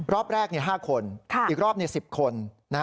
รอบแรก๕คนอีกรอบ๑๐คน